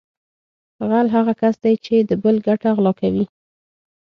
غل هغه کس دی چې د بل ګټه غلا کوي